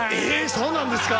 そうなんですか？